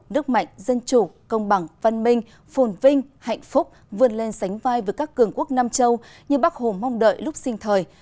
đức mạnh dân chủ công bằng văn minh phồn vinh hạnh phúc vươn lên sánh vai với các cường quốc nam châu như bác hồ mong đợi lúc sinh thời